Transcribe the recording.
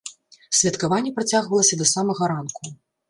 Святкаванне працягвалася да самага ранку.